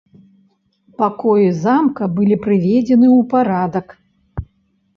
Пакоі замка былі прыведзены ў парадак.